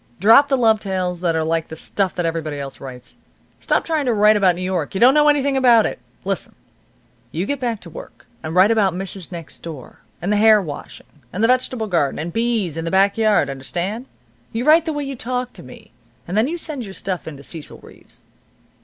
Drop the love tales that are like the stuff that everybody else writes. Stop trying to write about New York. You don't know anything about it. Listen. You get back to work, and write about Mrs. Next Door, and the hair washing, and the vegetable garden, and bees, and the back yard, understand? You write the way you talked to me, and then you send your stuff in to Cecil Reeves."